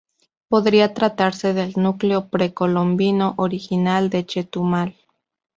Podría tratarse del núcleo pre-colombino original de Chetumal.